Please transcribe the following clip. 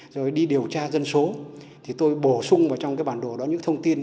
rồi đi điều tra dân số thì tôi bổ sung vào trong cái bản đồ đó những thông tin